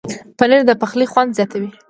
پنېر د پخلي خوند زیاتوي.